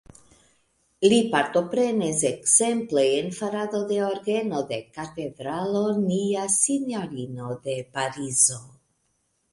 Li partoprenis ekzemple en farado de orgeno de Katedralo Nia Sinjorino de Parizo.